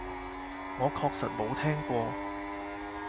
我確實冇聽過